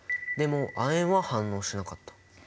でも亜鉛は反応しなかった。